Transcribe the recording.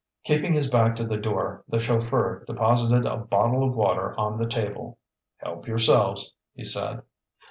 Keeping his back to the door, the chauffeur deposited a bottle of water on the table. "Help yourselves," he said.